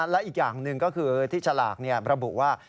และอีกอย่างหนึ่งก็คือที่ฉลากระบุว่า